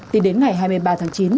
từ đến ngày hai mươi ba tháng chín